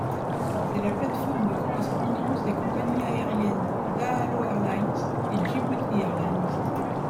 C'est la plate-forme de correspondance des compagnies aériennes Daallo Airlines et Djibouti Airlines.